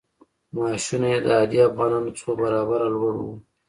معاشونه یې د عادي افغانانو څو برابره لوړ وو.